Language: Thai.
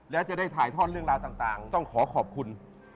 และจะได้ถ่ายแรงลาต่างต้องขอขอบคุณ